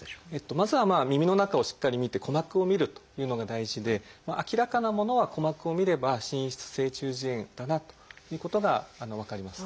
まずはまあ耳の中をしっかり診て鼓膜を診るというのが大事で明らかなものは鼓膜を診れば滲出性中耳炎だなということが分かります。